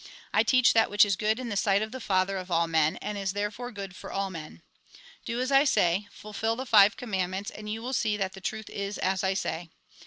I teach that which is good in the sight of the Father of all men, and is therefore good for all men. " Do as I say ; fulfil the five commandments, and you will see that the truth is as I say.